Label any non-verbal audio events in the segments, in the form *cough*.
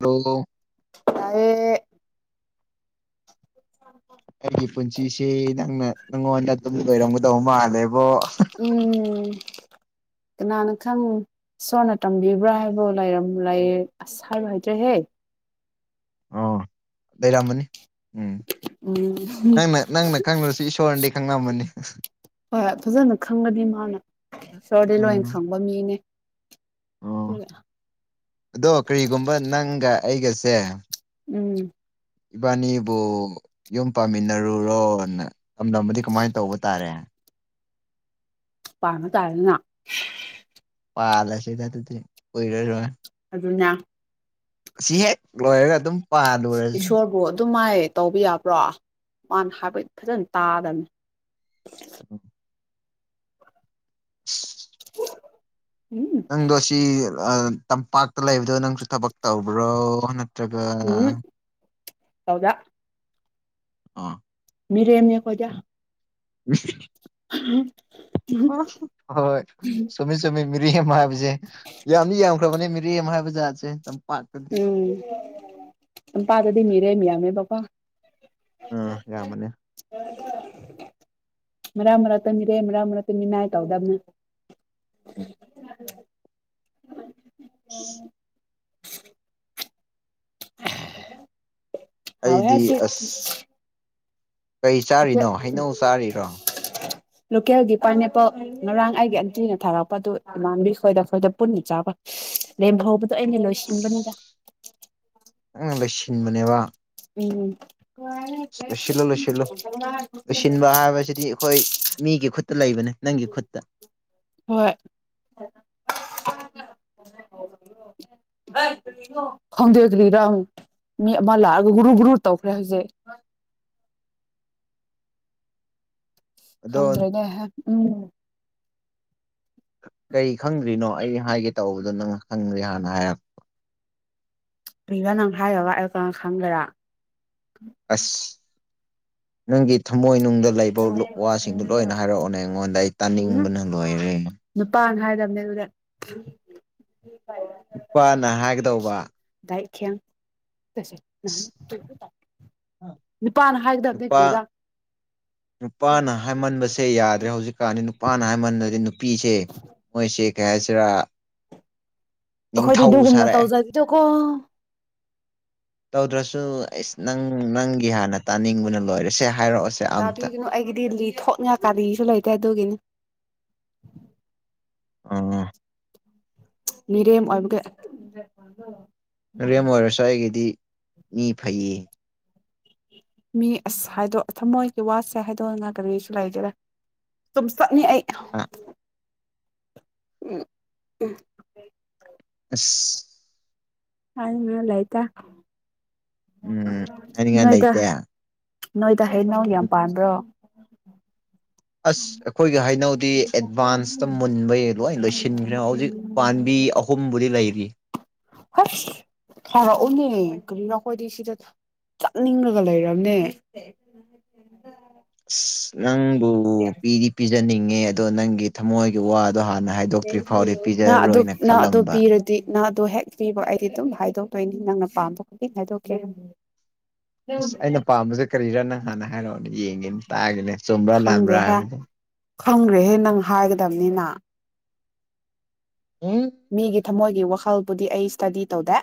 ꯂꯣ ꯂꯣ ꯇꯥꯏꯌꯦ *inaudible* ꯑꯩꯒꯤ ꯄꯨꯟꯁꯤꯁꯦ ꯅꯪꯅ ꯅꯪꯉꯣꯟꯗ ꯑꯗꯨꯝ ꯂꯣꯏꯔꯝꯒꯗꯧ ꯃꯥꯜꯂꯦꯕꯣ ꯎꯝ ꯀꯅꯥꯅ ꯈꯪ ꯏꯁꯣꯔꯅ ꯇꯝꯕꯤꯕ꯭ꯔꯥ ꯍꯥꯏꯕ ꯂꯩꯔꯝ ꯂꯩ ꯑꯁ ꯍꯥꯏꯕ ꯍꯩꯇ꯭ꯔꯦꯍꯦ ꯑꯣ ꯂꯩꯔꯝꯃꯅꯤ ꯎꯝ ꯎꯝ ꯅꯪꯅ ꯅꯪꯅ ꯈꯪꯅꯨꯔꯁꯨ ꯏꯁꯣꯔꯗꯤ ꯈꯪꯅꯝꯃꯅꯤ ꯍꯣꯏ ꯐꯖꯅ ꯈꯪꯉꯗꯤ ꯃꯥꯅ ꯏꯁꯣꯔꯗꯤ ꯂꯣꯏꯅ ꯎꯝ ꯈꯪꯕ ꯃꯤꯅꯦ ꯑꯣ ꯇꯨꯒꯤ ꯑꯗꯣ ꯀꯔꯤꯒꯨꯝꯕ ꯅꯪꯒ ꯑꯩꯒꯁꯦ ꯎꯝ ꯏꯕꯥꯅꯤꯕꯨ ꯌꯨꯝ ꯄꯥꯟꯃꯤꯟꯅꯔꯨꯔꯣꯅ ꯇꯝꯂꯝꯕꯗꯤ ꯀꯝꯃꯥꯏ ꯇꯧꯕ ꯇꯥꯔꯦ ꯄꯥꯡꯅ ꯇꯥꯔꯦꯗꯅ ꯄꯥꯂꯁꯤꯗ ꯑꯗꯨꯗꯤ ꯀꯨꯏꯔꯔꯣꯏ ꯑꯗꯨꯅ ꯑꯁꯤ ꯍꯦꯛ ꯂꯣꯏꯔꯒ ꯑꯗꯨꯝ ꯄꯥꯜꯂꯨꯔꯁꯦ ꯏꯁꯣꯔꯕꯨ ꯑꯗꯨ ꯃꯥꯏ ꯇꯧꯕ ꯌꯥꯕ꯭ꯔꯣ ꯃꯥꯅ ꯍꯥꯏꯕꯗꯤ ꯐꯖꯅ ꯇꯥꯗꯕꯅꯤ *inaudible* *inaudible* ꯎꯝ ꯅꯪꯗꯣ ꯁꯤ ꯑꯥ ꯇꯝꯄꯥꯛꯇꯥ ꯂꯩꯕꯗꯣ ꯅꯪꯁꯨ ꯊꯕꯛ ꯇꯧꯕ꯭ꯔꯣ ꯅꯠꯇ꯭ꯔꯒ ꯎꯝ ꯇꯧꯗꯦ ꯑꯥ ꯃꯤꯔꯦꯝꯅꯦ ꯑꯈꯣꯏꯗꯤ *unintelligible* ꯍꯣꯏ ꯆꯨꯝꯃꯤ ꯆꯨꯝꯃꯤ ꯃꯤꯔꯦꯝ ꯍꯥꯏꯕ ꯖꯦ ꯌꯥꯝꯗꯤ ꯌꯥꯝꯈ꯭ꯔꯕꯅꯦ ꯃꯤꯔꯦꯝ ꯍꯥꯏꯕ ꯖꯥꯠꯁꯦ ꯇꯝꯄꯥꯛ ꯎꯝ ꯇꯝꯄꯥꯥꯗꯗꯤ ꯃꯤꯔꯦꯝ ꯌꯥꯝꯃꯦꯕꯀꯣ ꯑꯥ ꯌꯥꯝꯕꯅꯤ *unintelligible* ꯃꯔꯛ ꯃꯔꯠꯇꯥ ꯃꯤꯔꯦꯝ ꯃꯔꯛ ꯃꯔꯛꯇꯥ ꯃꯤꯅꯥꯏ ꯇꯧꯗꯝꯅꯤ ꯎꯝ *inaudible* ꯍꯥꯎꯋꯦꯍꯦ ꯑꯩꯗꯤ ꯁꯤ ꯑꯁ ꯀꯩ ꯀꯨꯀꯤ ꯆꯥꯔꯤꯅꯣ ꯍꯩꯅꯧ ꯆꯥꯔꯤꯔꯣ *unintelligible* ꯂꯣꯀꯦꯜꯒꯤ ꯄꯥꯏꯅꯦꯄꯜ ꯉꯔꯥꯡ ꯑꯩꯒꯤ ꯑꯟꯇꯤꯅ ꯊꯥꯔꯛꯄꯗꯨ ꯏꯃꯥꯟꯕꯤꯈꯣꯏꯗ ꯑꯩꯈꯣꯏꯗ ꯄꯨꯟꯅ ꯆꯥꯕ ꯂꯦꯝꯍꯧꯕꯗꯣ ꯑꯩꯅ ꯂꯣꯏꯁꯤꯟꯕꯅꯤꯗ ꯑꯁ ꯅꯪꯅ ꯂꯩꯁꯤꯟꯕꯅꯦꯕ ꯎꯝ ꯂꯣꯏꯁꯤꯜꯂꯨ ꯂꯣꯏꯁꯤꯜꯂꯨ ꯂꯣꯏꯁꯤꯟꯕ *unintelligible* ꯍꯥꯏꯕꯁꯤꯗꯤ ꯑꯩꯈꯣꯏ ꯃꯤꯒꯤ ꯈꯨꯠꯇꯥ ꯂꯩꯕꯅꯦ ꯅꯪꯒꯤ ꯈꯨꯠꯇꯥ ꯍꯣꯏ *unintelligible* *unintelligible* ꯈꯪꯗꯦ ꯀꯔꯤꯔꯥ ꯃꯤ ꯑꯃ ꯂꯥꯛꯑꯒ ꯒꯨꯔꯨ ꯒꯨꯔꯨ ꯇꯧꯈ꯭ꯔꯦ ꯍꯧꯖꯤꯛ ꯑꯗꯣ ꯈꯪꯗ꯭ꯔꯦꯗꯍꯦ ꯎꯝ ꯀꯔꯤ ꯈꯪꯗ꯭ꯔꯤꯅꯣ ꯑꯩ ꯍꯥꯏꯒꯦ ꯇꯧꯕꯗꯣ ꯅꯪ ꯈꯪꯗ꯭ꯔꯦ ꯍꯥꯟꯅ ꯍꯥꯏꯔꯛ ꯀ꯭ꯔꯤꯔꯥ ꯅꯪ ꯍꯥꯏꯗꯔꯥꯒ ꯑꯩ ꯀꯃꯥꯏ ꯈꯪꯒꯦꯔꯥ ꯑꯁ ꯅꯪꯒꯤ ꯊꯃꯣꯏꯅꯨꯡꯗ ꯂꯩꯕ ꯋꯥꯁꯤꯡꯗꯣ ꯎꯝ ꯂꯣꯏꯅ ꯍꯥꯏꯔꯛꯑꯣꯅꯦ ꯑꯩꯉꯣꯟꯗ ꯑꯩ ꯇꯥꯅꯤꯡꯕꯅ ꯂꯣꯏꯔꯦ ꯅꯨꯄꯥꯅ ꯍꯥꯏꯗꯕꯅꯦ ꯑꯗꯨꯗꯤ ꯅꯨꯄꯥꯅ ꯍꯥꯏꯒꯗꯧꯕ *unintelligible* ꯑꯁ ꯅꯨꯄꯥꯅ ꯍꯥꯏꯒꯗꯕꯅꯦ ꯅꯨꯄꯥ ꯀ꯭ꯔꯤꯔ ꯅꯨꯄꯥꯅ ꯍꯥꯏꯃꯟꯕꯁꯤ ꯑꯦ ꯌꯥꯗ꯭ꯔꯦ ꯍꯧꯖꯤꯛ ꯀꯥꯟꯗꯤ ꯅꯨꯄꯥꯅ ꯍꯥꯏꯃꯜꯗꯗꯤ ꯅꯨꯄꯤꯁꯦ ꯃꯣꯏꯁꯦ ꯀꯩ ꯍꯥꯏꯁꯤꯔꯥ ꯑꯩꯈꯣꯏꯗꯤ ꯅꯤꯡꯊꯧ ꯑꯗꯨꯒꯨꯝꯅ ꯁꯥꯔꯛꯑꯦ ꯇꯧꯖꯒꯤꯗꯣꯀꯣ ꯇꯧꯗ꯭ꯔꯥꯁꯨ ꯑꯦꯁ ꯅꯪ ꯅꯪꯒꯤ ꯍꯥꯟꯅ ꯇꯥꯅꯤꯡꯕꯅ ꯂꯣꯏꯔꯁꯦ ꯍꯥꯏꯔꯛꯑꯣꯁꯦ ꯑꯝꯇ ꯇꯥꯕꯤꯒꯅꯨ ꯑꯩꯒꯤꯗꯤ ꯂꯤ ꯊꯣꯛꯅꯉꯥꯏ ꯀꯥꯂꯤꯁꯨ ꯂꯩꯇꯦ ꯑꯗꯨꯒꯤꯅꯤ ꯑꯣ ꯃꯤꯔꯦꯝ ꯑꯣꯏꯕꯒꯤ ꯃꯤꯔꯦꯝ ꯑꯣꯏꯔꯁꯨ ꯑꯩꯒꯤꯗꯤ ꯃꯤ ꯐꯩꯌꯦ ꯃꯤ ꯑꯁ ꯍꯥꯏꯗꯣ ꯊꯃꯣꯏꯒꯤ ꯋꯥꯁꯦ ꯍꯥꯏꯗꯣꯛꯑꯅ ꯀꯔꯤ ꯁꯨ ꯂꯩꯇꯦꯗ ꯁꯨꯝ ꯆꯠꯅꯤ ꯑꯩ ꯑꯥ ꯎꯝ ꯑꯁ ꯍꯥꯏꯅꯤꯡꯉꯥꯏ ꯂꯩꯇꯦ ꯎꯝ ꯍꯥꯏꯅꯤꯡꯉꯥꯏ ꯅꯣꯏꯗ ꯂꯩꯇꯦ ꯅꯣꯏꯗ ꯍꯩꯅꯧ ꯌꯥꯝ ꯎꯝ ꯄꯥꯟꯕꯥ꯭ꯔꯣ ꯑꯁ ꯑꯩꯈꯣꯏꯒꯤ ꯍꯩꯅꯧꯗꯤ ꯑꯦꯗꯚꯥꯟꯁꯇ ꯃꯨꯟꯕꯩ ꯂꯣꯏ ꯂꯣꯏꯁꯤꯟꯈ꯭ꯔꯦ ꯍꯧꯖꯤꯛ ꯄꯥꯝꯕꯤ ꯑꯍꯨꯝꯕꯨꯗꯤ ꯂꯩꯔꯤ ꯑꯁ ꯊꯥꯔꯛꯎꯅꯦ ꯀꯔꯤ ꯅꯈꯣꯏꯗꯤ ꯁꯤꯗ ꯆꯠꯅꯤꯡꯉꯒ ꯂꯩꯔꯕꯝꯅꯦ ꯑꯁ ꯅꯪꯕꯨ ꯄꯤꯗꯤ ꯄꯤꯖꯅꯤꯡꯉꯦ ꯑꯗꯣ ꯅꯪꯒꯤ ꯊꯃꯣꯏꯒꯤ ꯋꯥꯗꯣ ꯍꯥꯟꯅ ꯍꯥꯏ ꯅꯪ ꯑꯗꯨ ꯅꯪ ꯑꯗꯨ ꯄꯤꯔ ꯗꯤ ꯅꯪ ꯑꯗꯨ ꯍꯦꯛ ꯄꯤꯕ ꯑꯩꯗꯤ ꯑꯗꯨꯝ ꯍꯥꯏꯗꯣꯛꯇꯣꯏꯅꯤ ꯅꯪꯅ ꯄꯥꯝꯕ ꯈꯨꯗꯤꯡ ꯍꯥꯏꯗꯣꯛꯀꯦ ꯑꯁ ꯑꯩꯅ ꯄꯥꯝꯕꯁꯦ ꯀꯔꯤꯔꯅ ꯅꯪ ꯍꯥꯟꯅ ꯍꯥꯏꯔꯛꯑꯣꯅꯦ ꯌꯦꯡꯒꯦꯅꯦ ꯇꯥꯒꯦꯅꯦ ꯆꯨꯝꯕ꯭ꯔꯥ ꯂꯥꯟꯕ꯭ꯔꯥ ꯍꯥꯏꯕꯗꯣ ꯈꯪꯈ꯭ꯔꯦꯍꯦ ꯅꯪ ꯍꯥꯏꯒꯗꯕꯅꯤꯅ ꯎꯝ ꯃꯤꯒꯤ ꯊꯃꯣꯏꯒꯤ ꯋꯥꯈꯜꯕꯨꯗꯤ ꯑꯩ ꯏꯁꯇꯗꯤ ꯇꯧꯗꯦ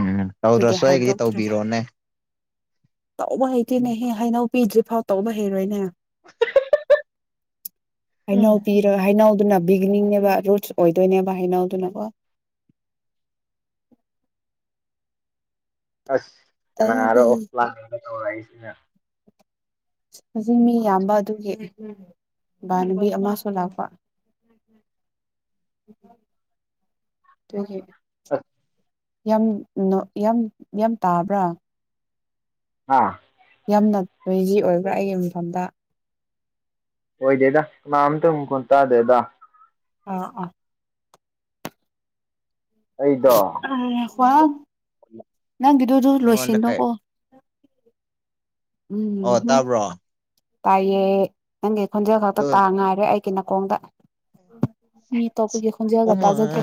ꯎꯝ ꯑꯗꯨꯒꯤ ꯇꯧꯗꯔꯁꯨ ꯑꯩꯒꯤꯗꯤ ꯍꯥꯏꯗꯣꯛꯇ꯭ꯔꯦꯗ ꯇꯧꯕꯤꯔꯣꯅꯦ ꯇꯧꯕ ꯍꯩꯇꯦꯅꯦꯍꯦ ꯍꯥꯏꯅꯧ ꯄꯤꯗ꯭ꯔꯤꯐꯥꯎ ꯇꯧꯕ ꯍꯩꯔꯣꯏꯅꯦ ꯍꯩꯅꯧ ꯎꯝ ꯄꯤꯔ ꯍꯩꯅꯧꯗꯨꯅ ꯕꯤꯒꯤꯅꯤꯡꯅꯦꯕ ꯔꯨꯠꯁ ꯑꯣꯏꯗꯣꯏꯅꯦꯕ ꯍꯩꯅꯧꯗꯨꯅꯀꯣ ꯑꯁ ꯀꯅꯥꯔꯣ ꯑꯗꯨꯗꯤ ꯑꯣ ꯂꯥꯡꯒ ꯇꯧꯔꯛꯏꯁꯤꯅ *unintelligible* ꯍꯧꯖꯤꯛ ꯃꯤ ꯌꯥꯝꯕ ꯑꯗꯨꯒꯤ ꯏꯕꯥꯅꯕꯤ ꯑꯃꯁꯨ ꯂꯥꯛꯄ ꯑꯗꯨꯒꯤ ꯑ ꯌꯥꯝ ꯌꯥꯝ ꯌꯥꯝ ꯇꯥꯕ꯭ꯔꯥ ꯍꯥ ꯌꯥꯝꯅ ꯅꯣꯏꯖꯤ ꯑꯣꯏꯕ꯭ꯔꯥ ꯑꯩꯒꯤ ꯃꯐꯝꯗ ꯑꯣꯏꯗꯦꯗ ꯀꯅꯥꯝꯇ ꯃꯈꯣꯟ ꯇꯥꯗꯦꯗ ꯑꯥ ꯑꯥ ꯑꯩꯗꯣ ꯅꯪꯒꯤꯗꯣ ꯑꯩꯉꯣꯟꯗ ꯀꯩ ꯑꯗꯨꯂꯣꯏꯁꯤꯜꯂꯣꯀꯣ ꯑꯣ ꯎꯝ ꯇꯥꯕ꯭ꯔꯣ ꯇꯥꯏꯌꯦ ꯅꯪꯒꯤ ꯈꯣꯟꯖꯦꯜ ꯈꯛꯇ ꯑꯗꯨ ꯇꯥ ꯉꯥꯏꯔꯦ ꯑꯩ ꯀꯤ ꯅꯥꯀꯣꯡꯗ ꯃꯤꯇꯣꯞꯄꯒꯤ ꯈꯣꯟꯖꯦꯜꯒ ꯎꯃꯥ ꯇꯥꯖꯗ꯭ꯔꯦ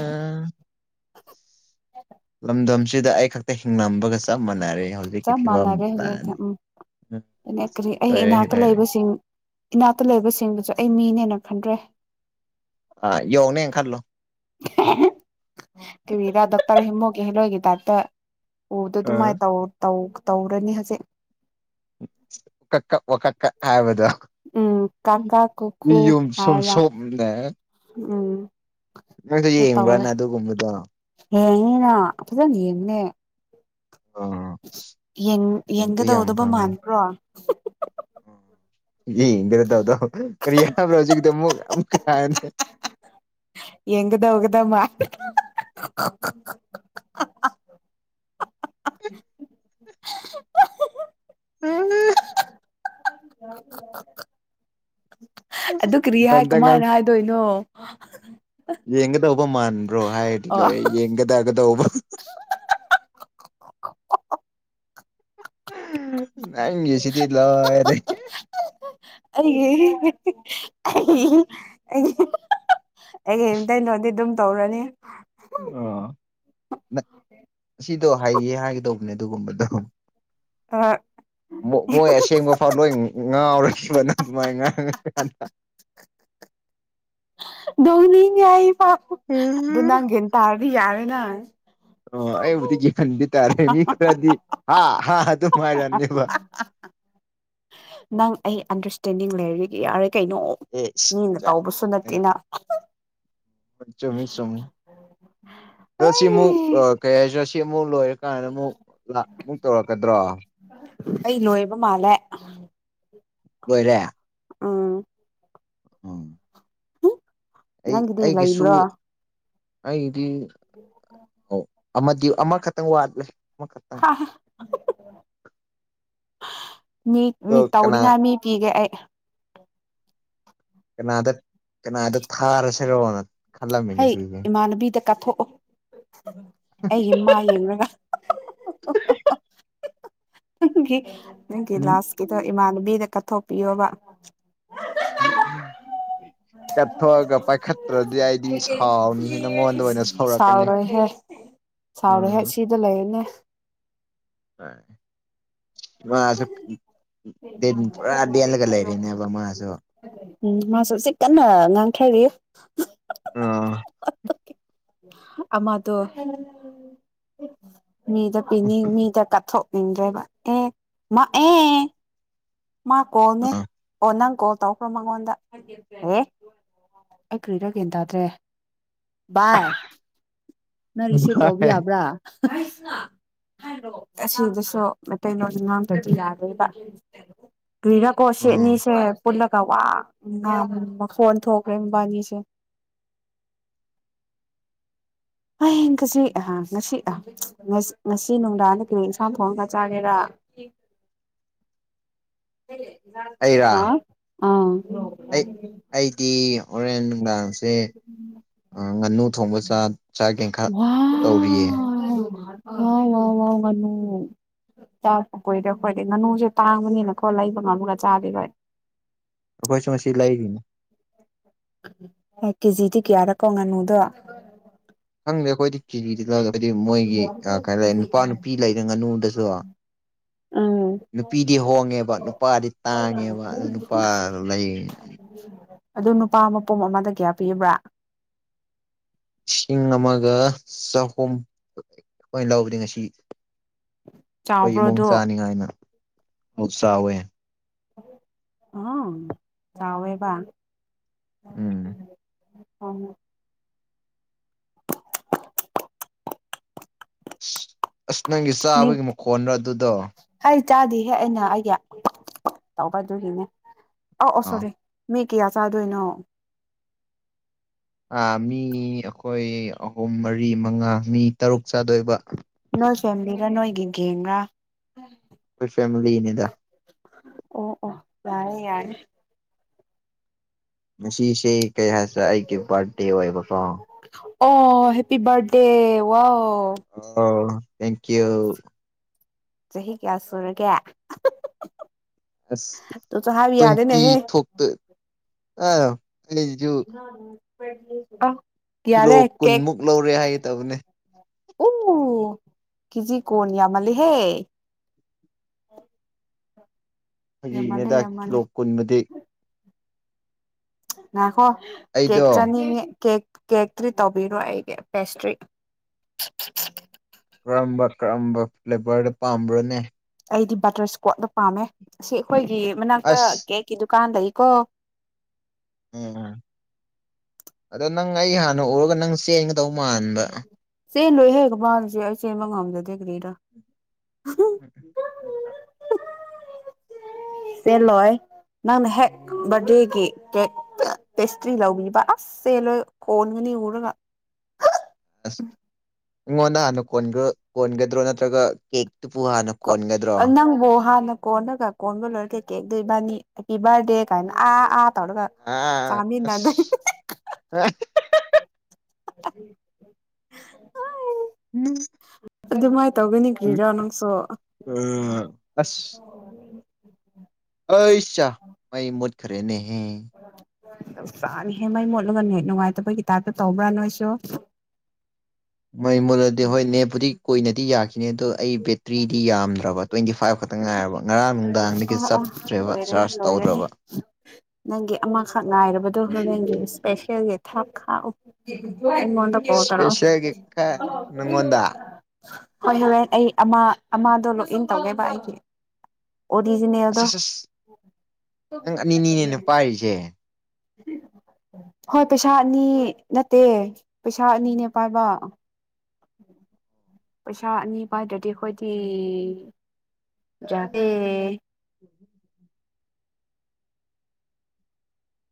ꯂꯝꯗꯝꯁꯤꯗ ꯑꯩ ꯈꯛꯇ ꯍꯤꯡꯂꯝꯕꯒ ꯆꯞ ꯃꯥꯟꯅꯔꯦ ꯍꯧꯖꯤꯛ ꯆꯞ ꯃꯥꯟꯅꯔꯦ ꯍꯧꯖꯤꯛꯇꯤ ꯎꯝ ꯎꯝ ꯑꯁ ꯀꯔꯤ ꯑꯩ ꯂꯣꯏꯔꯦ ꯏꯅꯥꯛꯇ ꯂꯣꯏꯔꯦ ꯂꯩꯕꯁꯤꯡ ꯏꯅꯥꯛꯇ ꯂꯩꯕꯁꯤꯡꯕꯁꯨ ꯑꯩ ꯃꯤꯅꯦꯅ ꯈꯟꯗ꯭ꯔꯦ ꯌꯣꯡꯅꯦꯅ ꯈꯜꯂꯣ ꯀꯤꯔꯤꯔ ꯗꯣꯛꯇꯔ ꯍꯦꯃꯣꯒꯤ ꯍꯦꯜꯂꯣꯏꯒꯤ ꯇꯥꯏꯞꯇ ꯑꯣ ꯑꯗꯨ ꯑ ꯑꯗꯨꯃꯥꯏꯅ ꯇꯧ ꯇꯧꯔꯅꯤ ꯍꯧꯖꯤꯛ ꯀꯛ ꯀꯛ ꯋꯀꯥꯛ ꯀꯛ ꯍꯥꯏꯕꯗꯣ ꯎꯝ ꯀꯥꯀꯥ ꯀꯨꯀꯨ ꯌꯨꯝ ꯍꯥꯔꯥ *unintelligible* ꯎꯝ ꯅꯪꯁꯨ ꯌꯦꯡꯕ꯭ꯔꯅ ꯑꯗꯨꯒꯨꯝꯕꯗꯣ ꯉꯤꯅ ꯐꯖꯅ ꯌꯡꯅꯦ ꯑꯥ ꯌꯦꯡꯗꯤ ꯌꯥꯝ ꯌꯦꯡꯒꯗꯧꯗꯕ ꯐꯪꯉꯦ ꯃꯥꯟꯗ꯭ꯔꯣ ꯌꯦ ꯀꯗ ꯇꯧꯗ ꯀꯔꯤ ꯍꯥꯏꯕ꯭ꯔꯥ ꯍꯧꯖꯤꯛꯗꯤ ꯑꯃꯨꯛ ꯀꯥ ꯍꯥꯏꯌꯨꯅꯤ *unintelligible* ꯑꯗꯨ ꯀꯔꯤ ꯍꯥꯏ ꯅꯊꯟꯇ ꯉꯥꯡ ꯀꯃꯥꯏꯅ ꯍꯥꯏꯗꯣꯏꯅꯣ ꯌꯦꯡꯒꯗꯧꯕ ꯃꯥꯟꯕ꯭ꯔꯣ ꯍꯥꯏꯔꯗꯤ ꯑꯣ ꯂꯣꯏꯔꯦ ꯌꯦꯡꯒꯗꯒꯗꯧꯕ ꯅꯪꯒꯤꯁꯤꯗꯤ ꯑꯩ ꯑꯩꯒꯤ ꯑꯩꯒꯤ ꯏꯝꯇꯩꯅꯣꯗꯤ ꯑꯗꯨꯝ ꯇꯧꯔꯅꯤ ꯑ ꯅ ꯁꯤꯗꯣ ꯍꯩ ꯍꯥꯏꯒꯗꯧꯕꯅꯦ ꯑꯗꯨꯒꯨꯝꯕꯗꯣ ꯑ ꯃ ꯃꯣꯏ ꯑꯦꯁꯡ ꯐꯥꯎꯠꯂꯣꯏ ꯉꯥꯎꯔꯈꯤꯕꯅ ꯑꯗꯨꯃꯥꯏꯅ ꯉꯥꯡꯔꯉ ꯀꯥꯟꯗ ꯎꯝ *unintelligible* ꯑꯣ ꯑꯩꯕꯨꯗꯤ ꯌꯦꯡꯍꯟꯗꯤ ꯇꯥꯔꯦ ꯃꯤ ꯈꯔꯗꯤ ꯍꯥ ꯍꯥ ꯑꯗꯨ ꯍꯥꯏꯔꯅꯦꯕ ꯅꯪ ꯑꯩ ꯑꯟꯗꯔꯁꯇꯦꯟꯗꯤꯡ ꯂꯩꯔꯤꯒ ꯌꯥꯔꯦ ꯀꯩꯅꯣ ꯑꯦ ꯃꯤꯅ ꯁ ꯇꯧꯕꯁꯨ ꯅꯠꯇꯦꯅ ꯆꯨꯝꯃꯤ ꯆꯨꯝꯃꯤ ꯁꯤ ꯑꯃꯨ ꯑꯩ ꯀꯩꯁꯤ ꯁꯤ ꯑꯃꯨ ꯂꯣ ꯀꯥꯏꯅ ꯑꯃꯨꯛ ꯃꯨꯛ ꯇꯧꯔꯛꯀꯗ꯭ꯔꯣ ꯑꯩ ꯂꯣꯏꯕ ꯃꯥꯜꯂꯦ ꯂꯣꯏꯔꯦ ꯑꯪ ꯎꯝ ꯅꯪꯒꯤꯗꯤ ꯂꯩꯕ꯭ꯔꯣ ꯑꯩꯗꯤ ꯑꯣ ꯑꯃꯗꯤ ꯑꯃꯈꯛꯇꯪ ꯋꯥꯠꯂꯦ ꯑꯃꯈꯛꯇꯪ *unintelligible* ꯑꯗꯣ ꯃꯤ ꯀꯅꯥ ꯇꯧꯅꯤꯉꯥꯏ ꯃꯤ ꯄꯤꯒꯦ ꯑꯩ ꯀꯅꯥꯗ ꯀꯅꯥꯗ ꯊꯥꯔꯁꯤꯔ ꯍꯩ ꯏꯃꯥꯟꯅꯕꯤꯗ ꯀꯠꯊꯣꯛꯑꯣ ꯑꯩꯒꯤꯃꯥ ꯌꯦꯡꯂꯡꯒ ꯅꯪꯒꯤ ꯂꯥꯁ ꯀꯗꯣ ꯏꯃꯥꯟꯅꯕꯤꯗ ꯀꯠꯊꯣꯛꯄꯤꯌꯣꯕ *unintelligible* ꯑꯩꯗꯤ ꯁꯥꯎꯅꯤꯍꯦ ꯅꯪꯉꯣꯟꯗ ꯑꯣꯏꯅ ꯁꯧꯔꯛꯀꯅꯤ ꯎꯝ *unintelligible* ꯗ ꯂꯩꯅꯦ ꯃꯥꯁꯨ ꯂꯦꯜꯂꯒ ꯂꯩꯔꯦꯅꯦꯕ ꯃꯥꯁꯨ *unintelligible* ꯎꯝ ꯃꯥꯁꯨ ꯀꯟꯅ ꯉꯥꯡꯊꯔꯤ ꯑ ꯑꯃꯗꯣ ꯃꯤꯗ ꯄꯤꯅꯤꯡ ꯃꯤꯗ ꯀꯠꯊꯣꯛꯅꯤꯡꯗ꯭ꯔꯦꯕ ꯑꯦ ꯃꯥ ꯑꯦ ꯃꯥ ꯀꯣꯜꯅꯦ ꯑꯣ ꯅꯪ ꯀꯣꯜ ꯇꯧꯈ꯭ꯔꯣ ꯃꯉꯣꯟꯗ ꯑꯦ ꯑꯩ ꯀꯔꯤꯔ ꯒꯌꯟ ꯇꯥꯗ꯭ꯔꯦ ꯕꯥꯏ ꯅꯪ ꯔꯤꯁꯤꯞ ꯇꯧꯕ ꯌꯥꯕ꯭ꯔꯥ ꯑꯁꯤꯗꯁꯨ ꯃꯩꯇꯩꯂꯣꯟ ꯉꯥꯡꯗꯗꯤ ꯌꯥꯗꯣꯏꯕ ꯀꯔꯤꯔꯀꯣ ꯎꯝ ꯁꯤꯅꯤꯁꯦ ꯄꯨꯜꯂꯒ ꯋꯥ ꯃꯈꯣꯟ ꯊꯣꯛꯈ꯭ꯔꯦ ꯃꯣꯏꯕꯥꯟꯅꯤꯁꯦ ꯉꯁꯤ ꯑ ꯉꯁꯤ ꯑ ꯉꯁꯤ ꯅꯨꯡꯗꯥꯡꯗ ꯀꯔꯤ ꯏꯟꯁꯥꯡ ꯊꯣꯡꯔꯥꯒ ꯆꯥꯒꯦꯔꯥ ꯑꯩꯔꯥ ꯍꯥ ꯑꯥ ꯑꯩ ꯑꯩꯗꯤ ꯍꯣꯔꯦꯟ ꯅꯨꯡꯗꯥꯡꯁꯦ ꯉꯥꯅꯨ ꯊꯣꯡꯕ ꯆꯥ ꯆꯥꯒꯦ ꯇꯧꯔꯤꯌꯦ ꯋꯥꯎ ꯋꯥꯎ ꯋꯥꯎ ꯋꯥꯎ ꯉꯥꯅꯨ ꯆꯥꯗ ꯀꯨꯏꯔꯦ ꯑꯩꯈꯣꯏꯗꯤ ꯉꯥꯅꯨꯁꯦ ꯇꯥꯡꯕꯅꯤꯅꯀꯣ ꯂꯩꯕ ꯉꯝꯃꯒꯥ ꯆꯥꯒꯦ ꯑꯩꯈꯣꯏ ꯑꯩꯈꯣꯏꯁꯨ ꯉꯁꯤ ꯂꯩꯔꯤꯅꯦ ꯀꯦꯖꯤꯗꯤ ꯀꯌꯥꯔꯀꯣ ꯉꯥꯅꯨꯗꯣ ꯈꯪꯗꯦ ꯑꯩꯈꯣꯏꯗꯤ ꯀꯤꯖꯤꯗꯤ ꯀꯌꯥꯅꯣ ꯍꯥꯏꯕꯗꯤ ꯃꯣꯏꯒꯤ ꯀꯩꯂꯩ ꯅꯨꯄꯥ ꯅꯨꯄꯤ ꯂꯩꯅ ꯉꯥꯅꯨꯗꯁꯨ ꯎꯝ ꯅꯨꯄꯤꯗꯤ ꯍꯣꯡꯉꯦꯕ ꯅꯨꯄꯥꯗꯤ ꯇꯥꯡꯉꯦꯕ ꯑꯗꯨ ꯅꯨꯄꯥ ꯂꯩ ꯑꯗꯨ ꯅꯨꯄꯥ ꯃꯄꯣꯝ ꯑꯃꯗ ꯀꯌꯥ ꯄꯤꯕ꯭ꯔꯥ ꯂꯤꯁꯤꯡ ꯑꯃꯒ ꯆꯍꯨꯝ ꯑꯩꯈꯣꯏꯅ ꯂꯧꯕꯗꯤ ꯉꯁꯤ ꯑꯩꯈꯣꯏ ꯆꯥꯎꯕ꯭ꯔꯣ ꯏꯃꯨꯡ ꯑꯗꯨ ꯆꯥꯅꯤꯡꯉꯥꯏꯅ ꯑꯗꯨꯝ ꯆꯥꯎꯋꯦ ꯑ ꯆꯥꯎꯋꯦꯕ ꯎꯝ ꯑ ꯑꯁ ꯅꯪꯒꯤ ꯆꯥꯕꯒꯤ ꯃꯈꯣꯟꯔꯥ ꯑꯗꯨꯗꯣ ꯍꯩ ꯆꯥꯗꯤꯍꯦꯛ ꯑꯩꯅ ꯑꯩꯒꯤ ꯇꯧꯕ ꯑꯗꯨꯒꯤꯅꯦ ꯑꯧ ꯑꯣ ꯑꯥ ꯁꯣꯔꯤ ꯃꯤ ꯀꯌꯥ ꯆꯥꯗꯣꯏꯅꯣ ꯃꯤ ꯑꯩꯈꯣꯏ ꯑꯍꯨꯝ ꯃꯔꯤ ꯃꯉꯥ ꯃꯤ ꯇꯔꯨꯛ ꯆꯥꯗꯣꯏꯕ ꯅꯣꯏ ꯐꯦꯃꯤꯂꯤꯔꯥ ꯅꯣꯏꯒꯤ ꯒꯦꯡꯔꯥ ꯑꯩꯈꯣꯏ ꯐꯦꯃꯤꯂꯤꯅꯤꯗ ꯑꯣ ꯑꯣ ꯌꯥꯥꯔꯦ ꯌꯥꯔꯦ ꯉꯁꯤꯁꯦ ꯀꯩ ꯍꯥꯏꯁꯦꯔꯥ ꯑꯩꯒꯤ ꯕꯥ꯭ꯔꯠꯗꯦ ꯑꯣꯏꯕꯀꯣ ꯑꯣ ꯍꯦꯄꯤ ꯕꯥ꯭ꯔꯠ ꯗꯦ ꯋꯥꯎ ꯑꯣ ꯊꯦꯡꯀꯤ꯭ꯌꯨ ꯆꯍꯤ ꯀꯌꯥ ꯁꯨꯔꯒꯦ ꯑꯗꯨꯁꯨ ꯍꯥꯏꯕꯥ ꯌꯥꯗꯦꯅꯦꯍꯦ ꯑ *unintelligible* *inaudible* ꯀꯤꯂꯣ ꯀꯦꯛ ꯀꯨꯟꯃꯨꯛ ꯂꯧꯔꯦ ꯍꯥꯏꯒꯦ ꯇꯧꯕꯅꯦ ꯎ ꯀꯤꯖꯤ ꯀꯣꯟ ꯌꯥꯝꯃꯜ ꯂꯤꯍꯦ ꯌꯥꯝꯃꯜꯂꯦ ꯑꯩꯒꯤꯅꯦꯗ ꯌꯥꯝꯃꯜꯂꯦ ꯀꯤꯂꯣ ꯀꯨꯟꯕꯨꯗꯤ ꯅꯥꯈꯣ ꯑꯩꯗꯣ ꯀꯦꯛ ꯆꯥꯅꯤꯡꯉꯦ ꯀꯦꯛ ꯀꯦꯛ ꯇ꯭ꯔꯤꯠ ꯇꯧꯕꯤꯔꯣ ꯑꯩꯒꯤ ꯄꯦꯁꯇ꯭ꯔꯤꯛ ꯀꯔꯝꯕ ꯀꯔꯝꯕ ꯐ꯭ꯂꯦꯚꯔꯗ ꯄꯥꯝꯕ꯭ꯔꯥꯅꯦ ꯑꯩꯗꯤ ꯕꯇꯔ ꯏꯁꯀꯣꯠꯇꯣ ꯄꯥꯝꯃꯦ ꯑꯁꯤ ꯑꯩꯈꯣꯏꯒꯤ ꯃꯅꯥꯛꯇ ꯑꯁ ꯀꯦꯛꯀꯤ ꯗꯨꯀꯥꯟ ꯂꯩꯌꯦꯀꯣ ꯎꯝ ꯑꯗꯣ ꯅꯪ ꯑꯩ ꯍꯥꯟꯅ ꯎꯔꯒ ꯅꯪ ꯆꯦꯟꯒꯗꯧ ꯃꯥꯟꯕ ꯆꯦꯟꯂꯣꯏ ꯍꯦ ꯀꯃꯥꯏ ꯆꯦꯟ ꯑꯩ ꯆꯦꯟꯕ ꯉꯃꯗ꯭ꯔꯗꯤ ꯀꯔꯤꯔ ꯗ *inaudible* ꯆꯦꯜꯂꯣꯏ ꯅꯪꯅ ꯍꯦꯛ ꯕꯥ꯭ꯔꯠꯗꯦꯒꯤ ꯀꯦꯛ ꯄꯦꯁꯇ꯭ꯔꯤ ꯂꯧꯕꯤꯕ ꯑꯁ ꯆꯦꯜꯂꯣꯏ ꯈꯣꯟꯒꯅꯤ ꯎꯔꯒ ꯑꯁ ꯑꯩꯉꯣꯟꯗ ꯍꯥꯟꯅ ꯀꯣꯟ ꯀꯣꯟꯒꯗ꯭ꯔꯣ ꯅꯠꯇ꯭ꯔꯒ ꯀꯦꯛ ꯇꯨꯄꯨ ꯍꯟꯅꯥ ꯀꯣ ꯅꯪꯕꯨ ꯍꯥꯟꯅ ꯀꯣꯟꯔꯥꯒ ꯀꯣꯟꯕ ꯂꯣꯏꯔꯒꯥ ꯀꯦꯛꯗꯣ ꯏꯕꯥꯟꯅꯤ ꯍꯦꯄꯤ ꯕꯥ꯭ꯔꯠ ꯗꯦ ꯀꯥꯏꯅꯥ ꯑꯥ ꯑꯥ ꯑ ꯆꯥꯃꯤꯟꯅꯗꯣꯢ ꯑꯁ *unintelligible* *unintelligible* *unintelligible* ꯑꯗꯨꯃꯥꯏꯅ ꯇꯧꯒꯅꯤ ꯀ꯭ꯔꯤꯔꯥ ꯅꯪꯁꯨ ꯑꯁ ꯑꯩꯠꯁꯥ ꯃꯩ ꯃꯨꯠ ꯈꯔꯦꯅꯦꯍꯦ ꯃꯩ ꯃꯨꯠꯂꯒꯅ ꯅꯦꯠ ꯅꯨꯡꯉꯥꯏꯇꯕꯒꯤ ꯇꯥꯏꯞꯇ ꯇꯧꯕ꯭ꯔꯥ ꯅꯣꯏꯁꯨ ꯃꯩ ꯃꯨꯠꯂꯗꯤ ꯍꯣꯏ ꯅꯦꯠꯄꯨꯗꯤ ꯀꯨꯏꯅꯗꯤ ꯌꯥꯈꯤꯅꯦ ꯑꯗꯣ ꯑꯩ ꯕꯦꯇ꯭ꯔꯤꯗꯤ ꯌꯥꯝꯗ꯭ꯔꯕ ꯇ꯭ꯋꯦꯟꯇꯤ ꯐꯥꯏꯚ ꯈꯛꯇ ꯈꯤꯇꯪ ꯉꯥꯏꯔꯕ ꯉꯔꯥꯡ ꯅꯨꯡꯗꯥꯡꯗꯒꯤ ꯑꯣ ꯑꯣ ꯆꯞꯠꯇ꯭ꯔꯦꯕ ꯂꯣꯏꯔꯅꯤ ꯆꯥꯔꯖ ꯂꯣꯏꯔꯅꯤ ꯇꯧꯗ꯭ꯔꯕ ꯅꯪꯒꯤ ꯑꯃꯈꯛ ꯉꯥꯏꯔꯕꯗꯣ ꯍ ꯅꯪꯒꯤ ꯏꯁꯄꯦꯁꯦꯜꯒꯤ ꯊꯥꯛ ꯈꯥꯛꯎ ꯑꯩꯉꯣꯟꯗ ꯀꯣꯜ ꯏꯁꯄꯦꯁꯦꯜꯒꯤ ꯇꯩꯔꯛꯑꯣ ꯅꯪꯉꯣꯟꯗ ꯍꯣꯏ ꯍꯣꯔꯦꯟ ꯑꯩ ꯑꯃ ꯑꯃꯗꯣ ꯂꯣꯛ ꯏꯟ ꯇꯧꯒꯦꯕ ꯑꯩꯒꯤ ꯑꯣꯔꯤꯖꯤꯅꯦ ꯑꯁ ꯑꯁ ꯑꯁ ꯅꯪ ꯑꯅꯤ ꯅꯤꯅꯦ ꯄꯥꯏꯔꯤꯁꯦ *inaudible* ꯍꯣꯏ ꯄꯩꯁꯥ ꯑꯅꯤ ꯅꯠꯇꯦ ꯄꯩꯁꯥ ꯑꯅꯤꯅꯦ ꯄꯥꯏꯕ ꯄꯩꯁꯥ ꯑꯅꯤ ꯄꯥꯏꯗ꯭ꯔꯗꯤ ꯑꯩꯈꯣꯏꯗꯤ ꯌꯥꯗꯦ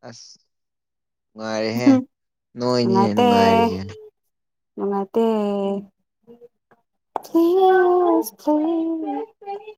ꯑꯁ ꯅꯨꯡꯉꯥꯏꯔꯦꯍꯦ ꯅꯣꯏꯅꯦ ꯅꯨꯡꯉꯥꯏꯔꯤꯁꯦ ꯅꯨꯡꯉꯥꯢꯇꯦ *unintelligible*